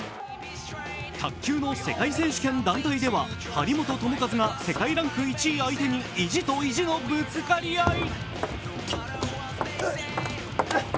卓球の世界選手権団体では張本智和が世界ランク１位相手に意地と意地のぶつかり合い。